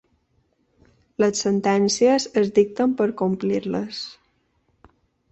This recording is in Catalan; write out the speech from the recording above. Les sentències es dicten per complir-les.